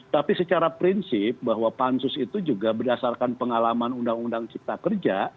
tapi secara prinsip bahwa pansus itu juga berdasarkan pengalaman undang undang cipta kerja